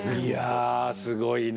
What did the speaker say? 舛すごいな。